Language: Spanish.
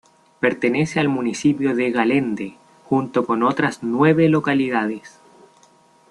Pertenece al municipio de Galende, junto con otras nueve localidades.